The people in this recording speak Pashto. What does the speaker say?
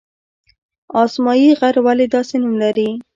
اسمايي غر ولې داسې نوم لري؟